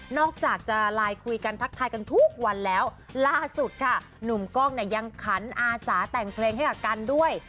อกจากจะไลน์คุยกันทักทายกันทุกวันแล้วล่าสุดค่ะหนุ่มกล้องเนี่ยยังขันอาสาแต่งเพลงให้กับกันด้วย